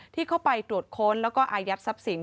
ที่เข้าไปตรวจค้นแล้วก็อายัดทรัพย์สิน